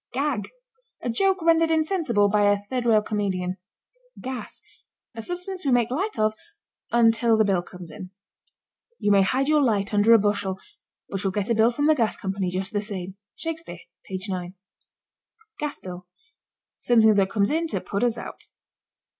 GAG. A joke rendered insensible by a third rail comedian. GAS. A substance we make light of until the bill comes in. "You may hide your light under a bushel, but you'll get a bill from the gas company just the same." (Shakespeare, page 9.) GAS BILL. Something that comes in to put us out.